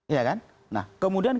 iya kan nah kemudian